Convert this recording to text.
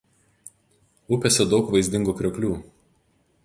Upėse daug vaizdingų krioklių.